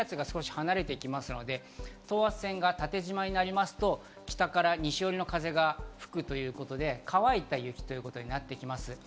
低気圧が離れていきますので、等圧線が縦縞になりますと、北から西寄りの風が吹くということで、乾いた雪ということになっていきます。